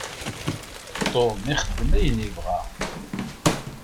Tom ixeddem ayen yebɣa.